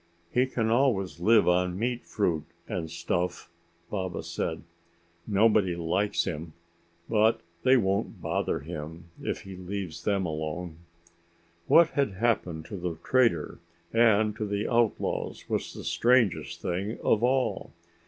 "He can always live on meat fruit and stuff," Baba said. "Nobody likes him, but they won't bother him if he leaves them alone." What had happened to the trader and to the outlaws was the strangest thing of all.